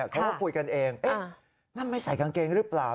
เขาก็คุยกันเองนั่นไม่ใส่กางเกงหรือเปล่า